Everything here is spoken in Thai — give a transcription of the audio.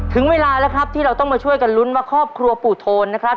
ถึงเวลาแล้วครับที่เราต้องมาช่วยกันลุ้นว่าครอบครัวปู่โทนนะครับ